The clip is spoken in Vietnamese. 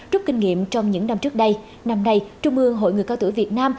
rút kinh nghiệm trong những năm trước đây năm nay trung ương hội người cao tuổi việt nam